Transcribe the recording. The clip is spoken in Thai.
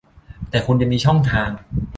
แต่คุณจะมีช่องทาง